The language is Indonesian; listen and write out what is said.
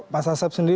pak sasab sendiri